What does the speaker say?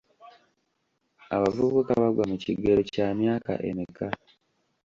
Abavubuka bagwa mu kigero kya myaka emeka?